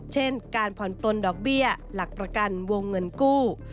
เช่นการผ่อนปลนดอกเบี้ยหลักประกันวงเงินกู้